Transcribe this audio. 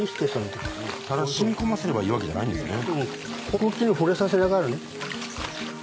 ただ染み込ませればいいわけじゃないんですね。